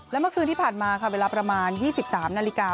และเมื่อคืนที่ผ่านมาค่ะเวลาประมาณ๒๓นาฬิกา